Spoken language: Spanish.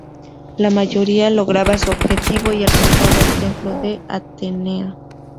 La mayoría lograba su objetivo y alcanzaba el templo de Atenea.